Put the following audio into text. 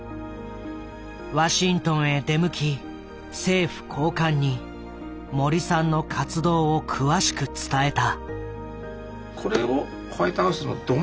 ワシントンへ出向き政府高官に森さんの活動を詳しく伝えた。